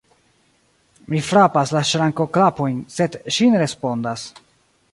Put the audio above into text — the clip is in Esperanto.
Mi frapas la ŝrankoklapojn, sed ŝi ne respondas.